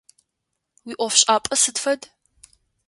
Уиӏофшӏапӏэ сыд фэд?